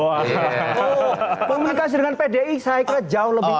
oh komunikasi dengan pdi saya kira jauh lebih besar